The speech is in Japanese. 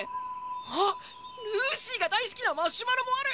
あっルーシーがだいすきなマシュマロもある！